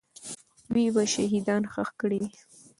دوی به شهیدان ښخ کړي وي.